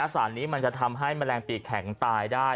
สารนี้มันจะทำให้แมลงปีกแข็งตายได้